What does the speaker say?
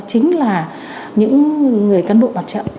chính là những người cán bộ mặt trận